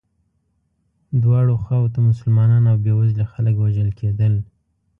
دواړو خواوو ته مسلمانان او بیوزلي خلک وژل کېدل.